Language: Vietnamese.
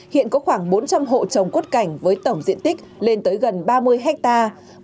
hiện có khoảng bốn trăm linh hộ trồng quất cảnh với tổng diện tích lên tới gần ba mươi hectare